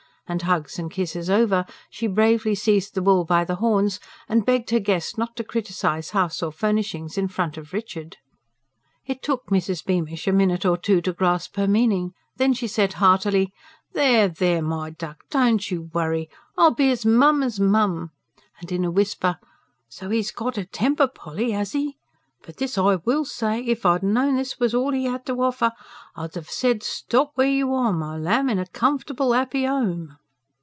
And hugs and kisses over, she bravely seized the bull by the horns and begged her guest not to criticise house or furnishings in front of Richard. It took Mrs. Beamish a minute or two to grasp her meaning. Then, she said heartily: "There, there, my duck, don't you worry! I'll be as mum as mum." And in a whisper: "So, 'e's got a temper, Polly, 'as 'e? But this I will say: if I'd known this was all 'e 'ad to h'offer you, I'd 'a' said, stop w'ere you are, my lamb, in a comfortable, 'appy 'ome."